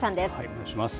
お願いします。